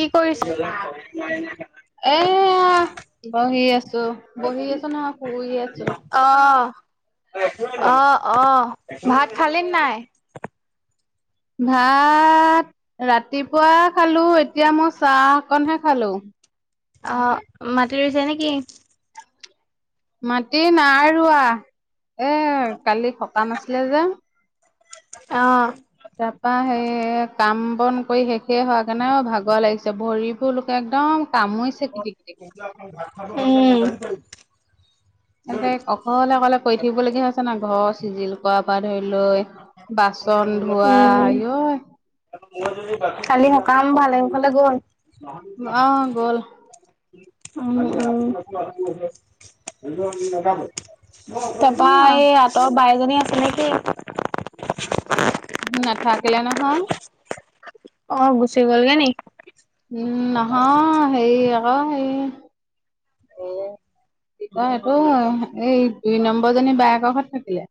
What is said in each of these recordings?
কি কৰিছ [unintelligible] এ বহি আছোঁ, বহি আছোঁ নহই শুই আছোঁ। অ অ, অ, ভাত খালি নে নাই? ভাত ৰাতিপুৱা খালোঁ এতিয়া মই চাহ কনহে খালোঁ। আহ, মাটি ৰুইছে নেকি? মাটি নাই ৰোৱা, এ, কালি সককাম আছিলে যে। অ', তাৰপাৰা সেই কাম বন কৰি শেষে হোৱাগে অ', ভাগৰ লাগিছে ভৰিবোৰ লোকে একদম কামুৰিছে কিটিকিটিক উম, তেতে অকলে, অকলে কৰি থাকিবলগীয়া হৈছে ন, ঘৰ চিজিল কৰা। ধৰি লৈ বাচন ধোৱা আঐ। খালি সকাম ভালে, ভালে গল। অ'। উ তাৰপৰা এই আঁতৰ বাইজনী আছে নেকি। না, থাকিলে নহয়। অ, গুচি গ'লনে নি উম, নহয় হেৰি অ, হেৰি কি কয় এইটো এই দুই নম্বৰ জনী বায়েকৰ ঘৰত থাকিলে।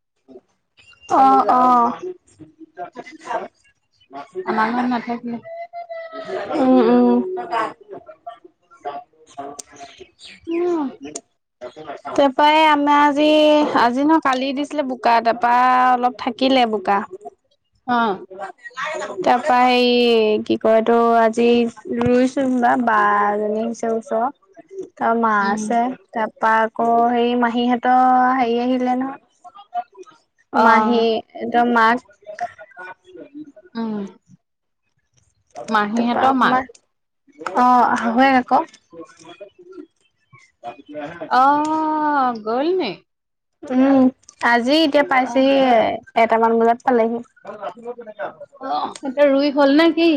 আহ, আহ। আমাৰত নাথাকিলে। উম, উম। উম, তাৰপৰাই আমাৰ আজি আজি ন, কালি দি দিছিলে বোকা তাৰপৰা অলপ থাকিলে বোকা অ', তাৰ পৰা হেৰি কি কয়, সিটো আজি ৰুইছো বা বাজনী পিছ চ [inaudible] তাৰ মা উম, আছে, তাৰ পৰা আকৌ হেৰি মাহীহঁতৰ হেৰি আহিলে ন। মাহি, অ', ৰ, মাছ। অ'। ত, পাপ, মা আহ, হয় আকৌ। অহ, গ'ল নে। উম, আজি এতিয়া অ', পাইছেহি এটামান বজাত পালেহি। অ, এইটা ৰুই হ'ল নেকি।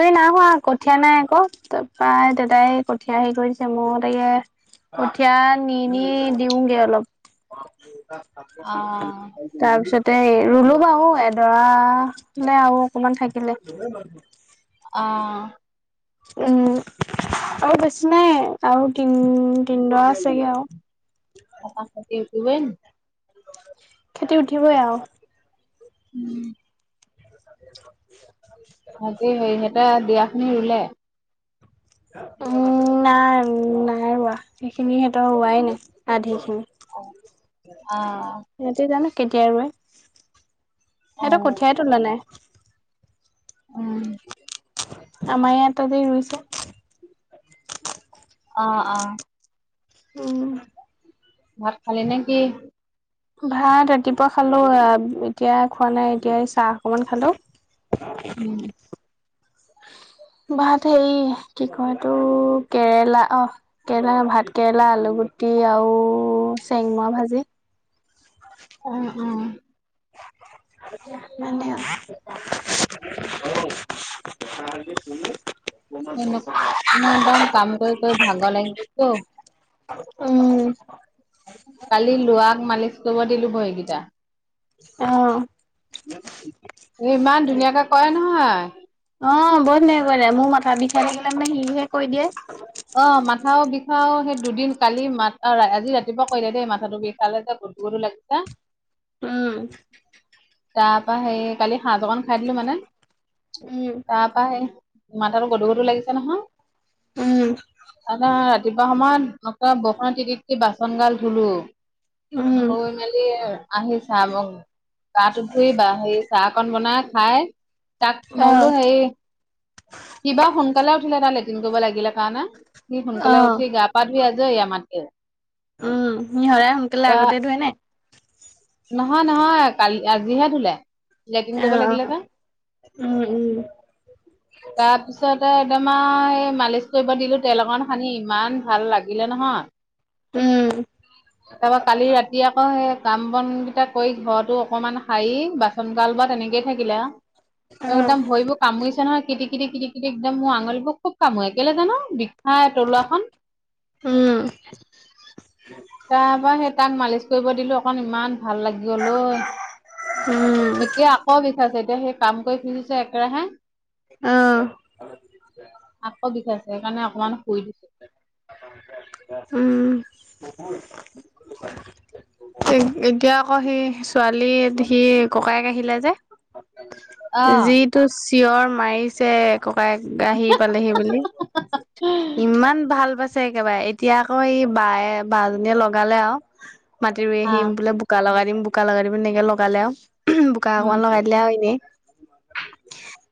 ই, নাই হোৱা। কঠীয়া নাই, আকৌ প্ৰায় দাদাই কঠীয়া হেৰি কৰি দিছে মোৰ তাকে। কঠিয় নি, নি, দিওঁগে অলপ। অ', তাৰপিছত ত, ৰুলো বাও এডৰালে আৰু অকমান থাকিলে। অ'। উম। আৰু বেছি নাই আৰু তিন, তিনদৰা আছেগে আৰু। ৱন খেতি উঠিবই আৰু। উম। [inaudible] সতে, সিহতে বিয়াখনি ৰুলে। উম, নাই, নাই ৰোৱা সেইখিনি সিহতৰ ৰোৱাই নাই আধি খিনি অ, আহ। সিহঁতি জানো কেতিয়া ৰৈ অ, সিহতটো কঠিয়াই তোলা নাই। উ। আমাৰ ইয় ততেই ৰুইছে। অ', অ'। উম। ভাত খালি নেকি। ভাত ৰাতিপুৱা খালো, এতিয়া খোৱা নাই, এতিয়া চাহ অকমান খালো। উম। ভাত হেৰি কি কয় তটো কেৰেলা অ, কেৰেলা ভাত কেৰেলা, আলু। গুটি আৰু চেংমৰা ভাজি অ, অম মানে [unintelligible] এন, মই পাম কাম কৰি কৰি ভাগৰ লাগি গ'লতো। উম। কালি লোৱাক মালিচ কৰিব দিলোঁ বৰীকেইটা। অ'। এ, ইমান ধুনীয়াকে কৰে নহয়। অ' বহুত ধুন কৰে, মোৰ মাথা বিষাই থাকিলে মানে সিহে কৰি দিয়ে। অ' মাথাও বিষাও সেই দুদিন কালি মা-আজি ৰাতিপুৱা কৈলে দেই মাথাটো বিষালে যে। গধূৰ গধূৰ লাগিছ। উম। তাৰপা সেই কালি সাঁহ অকন খাই দিলোঁ মানে, উম তাৰপা সেই মাথাটো গধুৰ গধুৰ লাগিছে নহয়। উম আমাৰ ৰাতিপুৱা সময়ত আটা বৰষুণত তিতি তিতি বাচনগাল ধুলোঁ। উম ধুই মেলি আহি চাই মোক গাটো ধুই বা সেই চাহকন বনাই খাই তাক অ মই বোলো হেই কিবা সোনকালে উঠিলে তাৰ লেট্ৰিন কৰিব লাগিলে কাৰণে সি অ সোনকালে উঠি গা পা [unintelligible] আমাতকে। উম, নিহৰাই সোনকালে তা আগতে ধুৱে নে? নহয় নহয়, কালি আজিহে ধুলে। লেটিন অ কৰিব অ লাগিলে যে। উম তাৰ পিছতে একদমাৰ এই মালিচ কৰিব দিলোঁ তেল অকন সানি, ইমান ভাল লাগিলে নহয়। উম তাৰাপৰা কালি ৰাতি আকৌ সেই কাম বনকেইটা কৰি, ঘৰতো অকনমান সাৰি বাচ সোনকাল বা তেনেকেই থাকিলে, উম অ একদম ভৰিবোৰ কামুৰিছে নহয়। কিতি কিতি কিতি কিতি একদম মোৰ আঙলী বোক খুব কামুৱে কেইলে জানো, বিষাই তলুৱাখন। উম তাৰ পৰা সেই তাক মালিচ কৰিব দিলোঁ অকণ, ইমান ভাল লাগি গ'ল অই, উম এতিয়া আকৌ বিষাইছে এতিয়া সেই কাম কৰি ফুজিছে একেৰাহে। অ আকৌ বিষাই সেইকাৰণে অকমান শুই দিছোঁ। উম। এ, এতিয়া আকৌ সি ছোৱালী সি ককায়েক আহিলে যে। অ', যিটো চিঞৰ মাৰিছে। ককায়েক আহি পালেহি বুলি। ইমান ভাল পাইছে ছে একেবাৰে, এতিয়া আকৌ এই বায়ে বাজনীয়ে লগালে আৰু। মাটি ৰুই আহিম আহ বোলে বোকা লগাই দিম বোকা লগাই দিম, এনেকে লগালে আৰু বোকা অকণমান উম, লগাই দিলে আৰু এনেই।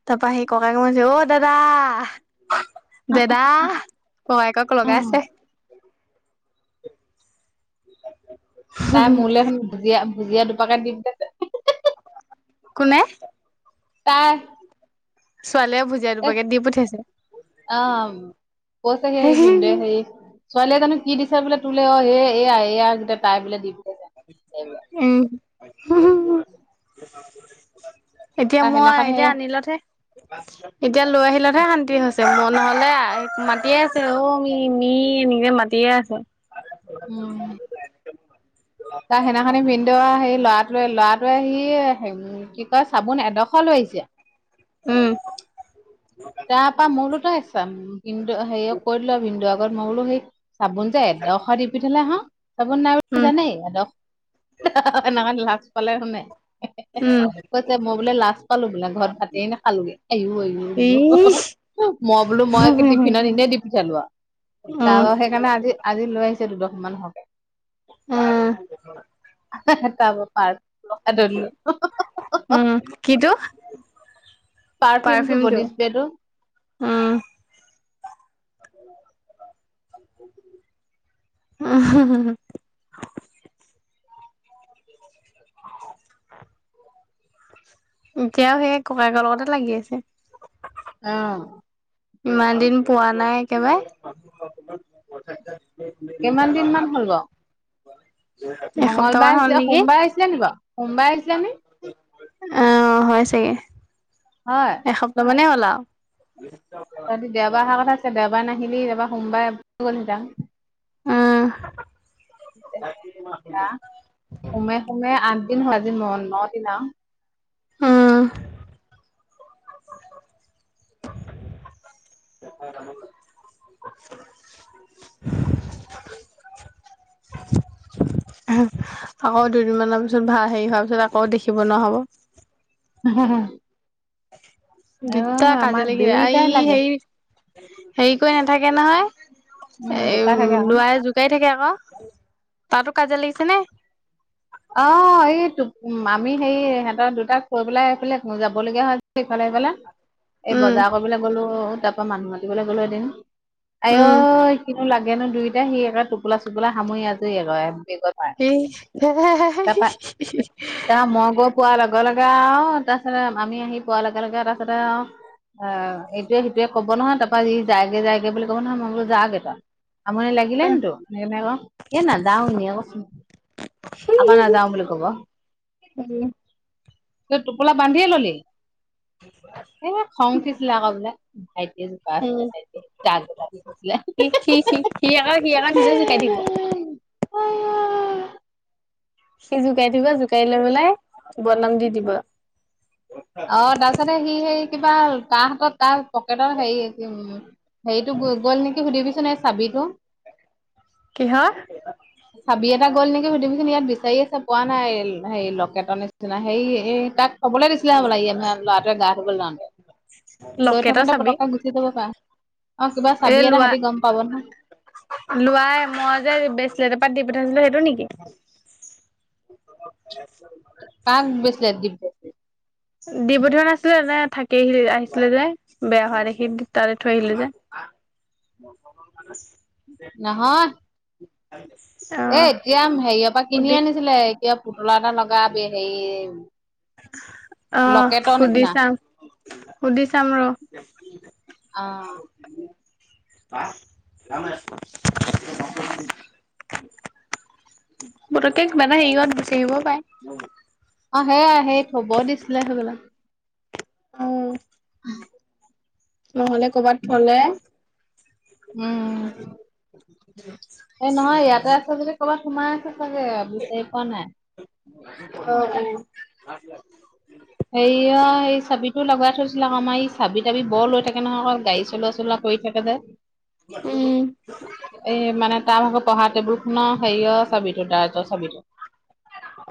তাৰপৰা সি ককায়েকক মাতছে অ' দাদা? দাদা, ককায়েকক লগাই উম, আছে। তাই মোলৈখন ভুজিয়া ভুজিয়া দুপাকেট দি পঠাইছে। কোনে? তই। ছোৱালীয়ে ভুজিয়া এ, দুপেকেট দি পঠিয়াইছে আ, কৈ থাকে এ, বিন্দেৱে হেৰি ছোৱালীয়ে জানো কি দিছে বোলে তোলে এ, এয়া এইয়া, গোটেই তাই বোলে দিব। উম। এতিয়া তাৰ মই সেইদিনাখনি সেই এতিয়া আনিলোঁহে। এতিয়া লৈ আহিলতহে শান্তি হৈছে, মই নহ'লে মাতিয়ে আছে অ' মি মি। মি এনেকে মাতিয়ে আছে। উম। বা হেইদিনাখনে বিন দে সেই ল'ৰাটোৱে ল'ৰাটোৱে সি কি কয় চাবোন এডোখৰ লৈ আহিছে। উম। তাৰপা মই বোলো তই ভিনদেউ হেৰিক কৈ দিলো আৰু ভিনদৌউৰ আগত মই বোলো সেই চাবোন যে এডশ দি পিঠাললে হা চাবোন নাই বুলি উম জানেই এনেকা লাজ পালে শুনে। উম কৈছে মই বোলে লাজ পালো বোলে ঘৰত ভাতে নাখালোগে আয়ো আয়ো বোলো। ইচ মই বোলো মই উম টিফিনত এনেই দি পঠিয়ালোঁ আৰু। উম তাৰপা সেইকাৰণে আজি আজি লৈ আহিছে দুডখমান হৰকে। উম, উম কিটো [unintelligible] পাৰ্ফিউমটো পাৰফিউমটো বডি স্প্ৰেটো। উম উম, [inaudible] এতিয়াও সেই ককায়েকৰ লগতে লাগি আছে। অ', ইমান দিন পোৱা নাই একেবাৰে কিমান দিন মান হ'ল বাৰু? এসপ্তাহ মান মঙ্গলবাৰে হল আহিছিলে নেকি। সোমবাৰে আহিছিলে নি বাৰু সোমবাৰে আহিছিলে নি অ', হয় চাগে হয় এসপ্তাহ মানেই হ'ল আৰু। তহঁতি দেওবাৰে অহাৰ কথা আছে দেওবাৰে নাহিলি এইবাৰ সোমবাৰে উম [unintelligible] সোমে সোমে আ [unintelligible] আজি ন দিন আৰু। উম, [inaudible] আকৌ দুদিনমানৰ পিছত ভা হেৰি হোৱাৰ পিছত আকৌ দেখিব নোৱাৰা হব। [inaudible] দুটাই অ' আমাৰ কাজিয়া লাগি যায়, ই দুইটাই লাগে, হেৰি হেৰি কৰি নাথাকে নহয়। উম জোকা থাকে এ আকৌ। লোৱাই জোকাই থাকে আকৌ। তাতো কাজিয়া লাগিছে নে? অ', এই আমি হেৰি সিহঁতৰ দুটাক কৈ পেলাই ইফালে যাব লগীয়া হৈ ইফালে। [unintelligible] এই উম বজাৰ কৰিবলৈ গ'লো তাৰ পৰা মানুহ মাতিবলৈ গ'লো এদিন উম আয়ৈ কিনো লাগ কিয়নো দুইটাই সি এক টোপোলা চোপলা সামৰি আজৰি আৰু [unintelligible] ই তা মই গই পোৱাৰ লগে লগে আৰু তাৰপিছতে আমি আহি পোৱাৰ লগে লগে তাৰপিছতে আৰু অ', এইটোয়ে সেইটোৱে ক'ব নহয় তাৰপৰা যি যায়গে যায়গে বুলি ক'ব নহয় মই বোলো যাগে তই। আমনি লাগিলে নি তোৰ [unintelligible] আকৌ এ নাযাওঁ এনে কৈছো। আকৌ নাযাওঁ বুলি ক'ব। ত' টোপোলা বান্ধিয়ে ললি? [inaudible] এ খং উঠিছিলে আকৌ বোলে ভাইটি এ জোপা আছিলে উম ভাইট জ গৈছিলে সি সি সি আকৌ সি আকৌ নিজে জোকাই থাকিব। সি জোকাই দিব জোকাৰি লৈ পেলাই বদনাম দি দিব। অ', তাৰপিছতে সি সেই কিবা তাহ হাতত তাৰ পকেটৰ হেৰি হেৰিটো গ গ'ল নেকি সুধিবিচোন চাবিটো কিহৰ চাবি এটা গল নেকি সধিচোন ইয়া বিচাৰি আছে পোৱা নাই, হেৰি লকেটৰ নিচিনা হেৰি এই তাক কবলে দিছিলে হ'বলা [unintelligible] ল'ৰাটোৱে গা ধুবলৈ যাওঁতেই, লৈ লকেটৰ থাকোতে চাবি পতককে গুচি যাব পাৰে। অ', কিবা এই চাবি এটা লোৱা সেতি গম পাব নহয়। লোৱাই মই যে বেচলেট এটা দিম পঠিয়াইছিলোঁ সেইটো নেকি? কাক বেচিলে দিব্যশ্ৰীক দি পঠিওৱা নাছিলে নে থাকি আহিলি আহিছিলে যে বেয়া হোৱা দেখি তাতে থৈ আহিলো যে। ম নহয়। এ, আহ এতিয়া হেৰিয়ৰ পৰা কিনি সুধি আনিছিলে। কিবা পুতলা এটা লগা হেৰি [inaudible] আহ লকেটৰ সুধি নিচিনা চাম, সুধি চাম ৰ। অ'। [unintelligible] আহ। পতকে মানে হেৰিত বিচাৰ আহিবও পায়। আহ, আহে, আহে থব দিছিলে, সেইবেলাক। অ'। উম। নহ'লে কৰ'বাত থলে উম। এ, নহয় ইয়াতে আছ, যদি ক'বাত সোমাই আছে চাগে বিচাৰি পোৱা নাই। অ', অ'। সেয়া এই চাবিতো লগাই থৈছিলা আমাৰ। চাবি তাবি বৰ লৈ থাকে নহয় গাড়ী চলা, চলা কৰি থাকে যে। উম এ, মানে ত, ভাগত পঢ়া টেবুল খুনৰ হেৰিয় ছাবিটো ডাৰজৰ ছাবিটো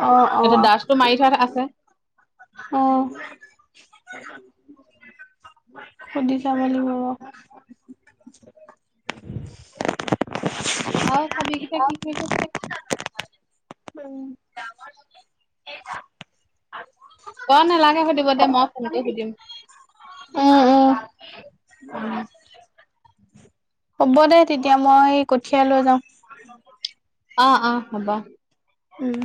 অ অ এটা ডাষ্টটো মাৰি থাত আছে। অ সুধিছা ম, বাৰ আহ, চাবকটা কি খছ উম অ, নালাগে সুধিব দে, মই ফোন কৰি সুধিম। উম উম উম। হ'ব দে, তেতিয়া মই কঠিয়া লৈ যাওঁ। অ', অ', হ'ব। উম।